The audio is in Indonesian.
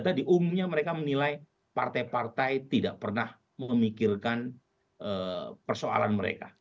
tadi umumnya mereka menilai partai partai tidak pernah memikirkan persoalan mereka